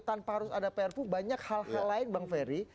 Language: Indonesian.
tanpa harus ada prpu banyak hal hal lain bang ferry